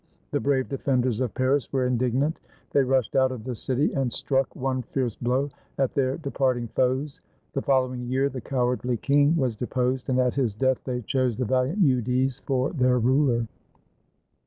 The brave defenders of Paris were indignant. They rushed out of the city and struck one fierce blow at their depart ing foes. The following year the cowardly king was de posed, and at his death they chose the valiant Eudes for their ruler.